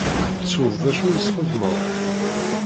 Tettuḍ d acu i s-txedmeḍ?